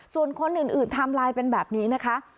ส่วนคนอื่นไทม์ไลน์เป็นแบบนี้นะคะ